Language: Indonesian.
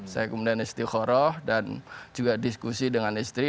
saya kemudian istiqoroh dan juga diskusi dengan istri